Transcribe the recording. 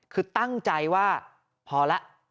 คือตั้งใจว่าพอแล้ว